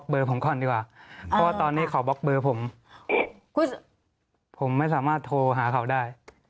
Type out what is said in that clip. เพราะตอนนี้เขาบล็อกเบอร์ผมผมไม่สามารถโทรหาเขาได้